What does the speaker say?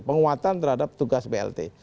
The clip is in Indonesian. penguatan terhadap tugas plt